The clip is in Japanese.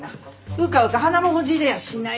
うかうか鼻もほじれやしない。